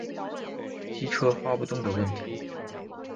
机车发不动的问题